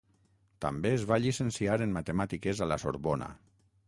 També es va llicenciar en matemàtiques a la Sorbona.